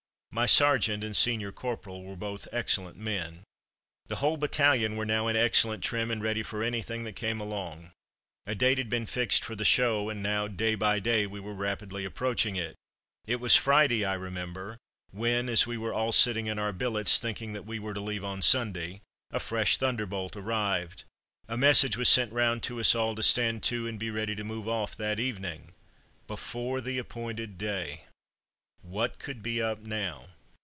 My sergeant and senior corporal were both excellent men. The whole battalion were now in excellent trim, and ready for anything that came along. A date had been fixed for the "show," and now, day by day, we were rapidly approaching it. It was Friday, I remember, when, as we were all sitting in our billets thinking that we were to leave on Sunday, a fresh thunderbolt arrived. A message was sent round to us all to stand to and be ready to move off that evening. Before the appointed day! What could be up now?